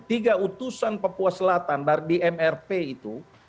tiga utusan papua selatan di mrp itu